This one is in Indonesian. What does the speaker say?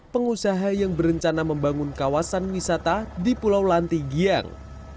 pengusaha yang berencana membangun kawasan wisata di pulau lantigiang